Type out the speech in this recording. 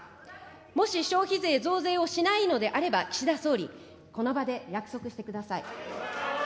もし消費税増税をしないのであれば、岸田総理、この場で約束してください。